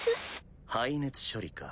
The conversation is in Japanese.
排熱処理か。